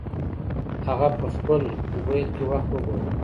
هغه په خپل موبایل کې وخت وګوره.